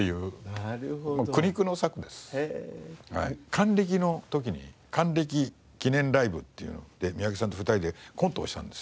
還暦の時に還暦記念ライブっていうので三宅さんと２人でコントをしたんですよ。